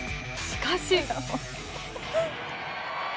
しかし。